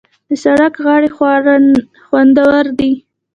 د سړک غاړې خواړه خوندور دي.